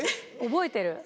覚えてる。